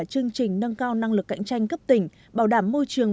chương trình nâng cao năng lực cạnh tranh cấp tỉnh bảo đảm môi trường